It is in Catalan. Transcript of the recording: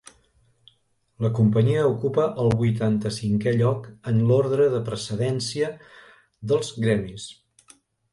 La companyia ocupa el vuitanta-cinquè lloc en l'ordre de precedència dels Gremis.